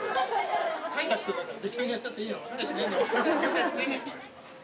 描いた人だから適当にやっちゃっていいの。分かりゃしないんだから。